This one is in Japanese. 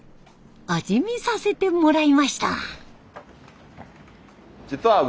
味見させてもらいました。